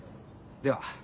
では。